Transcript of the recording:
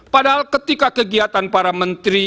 padahal ketika kegiatan para menteri